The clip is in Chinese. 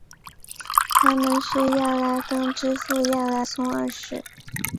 他们是亚拉冈之父亚拉松二世。